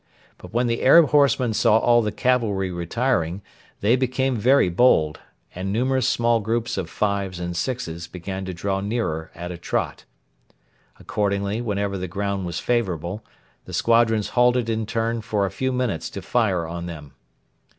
But when the Arab horsemen saw all the cavalry retiring they became very bold, and numerous small groups of fives and sixes began to draw nearer at a trot. Accordingly, whenever the ground was favourable, the squadrons halted in turn for a few minutes to fire on them.